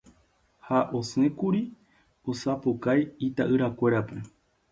ha osẽkuri osapukái ita'yrakuérape